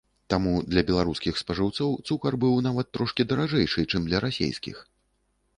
Таму для беларускіх спажыўцоў цукар быў нават трошкі даражэйшы, чым для расейскіх.